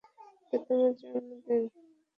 এটা তোমার জন্মদিন।